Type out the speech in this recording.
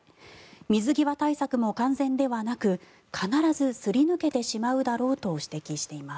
水際対策も完全ではなく必ずすり抜けてしまうだろうと指摘しています。